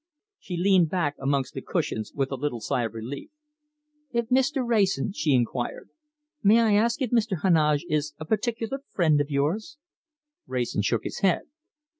She leaned back amongst the cushions with a little sigh of relief. "Mr. Wrayson," she inquired, "may I ask if Mr. Heneage is a particular friend of yours?" Wrayson shook his head.